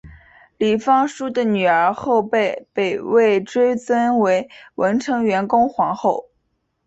李方叔的女儿后被北魏追尊为文成元恭皇后。